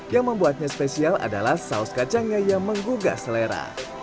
yang membuatnya spesial adalah saus kacangnya yang menggugah selera